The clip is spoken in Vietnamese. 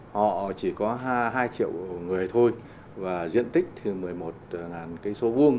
họ chỉ có hai triệu người thôi và diện tích thì một mươi một km hai